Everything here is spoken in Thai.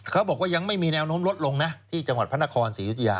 เขาบอกว่ายังไม่มีแนวโน้มลดลงนะที่จังหวัดพระนครศรียุธยา